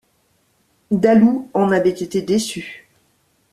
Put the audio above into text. Dalou en avait été déçu.